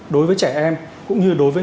đối với trẻ em cũng như đối với